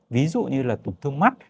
ví dụ như là tổn thương mắt